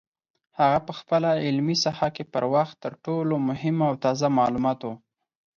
هغه په خپله علمي ساحه کې پر وخت تر ټولو مهمو او تازه معلوماتو